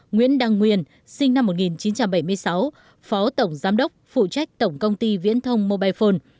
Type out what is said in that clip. nguyễn đăng nguyên sinh năm một nghìn chín trăm bảy mươi sáu phó tổng giám đốc phụ trách tổng công ty viễn thông mobile phone